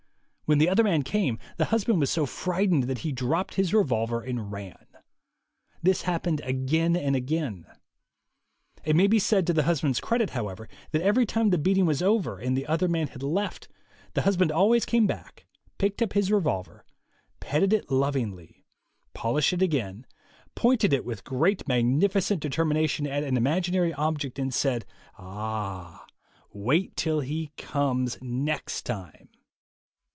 When the other man came, the husband was so frightened that he dropped his revolver and ran. This happened again and again. It may be said to the husband's credit, however, that every time the beating was over, and the other man had left, the husband always came back, picked up his revolver, petted it lovingly, polished it again, pointed it with magni ficent determination at an imaginary object, and said, "Ah, wait till he comes next time."